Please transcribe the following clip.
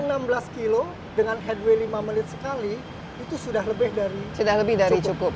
enam belas kilo dengan headway lima menit sekali itu sudah lebih dari cukup